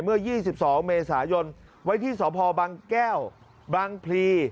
เมื่อยี่สิบสองเมษายนไว้ที่ศพบังแก้วบังพลี